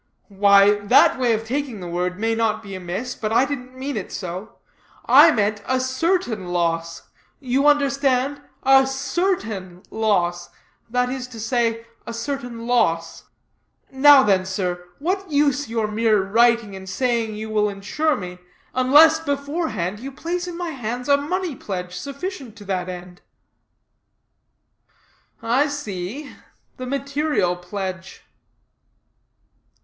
"Why, that way of taking the word may not be amiss, but I didn't mean it so. I meant a certain loss; you understand, a CERTAIN loss; that is to say, a certain loss. Now then, sir, what use your mere writing and saying you will insure me, unless beforehand you place in my hands a money pledge, sufficient to that end?" "I see; the material pledge."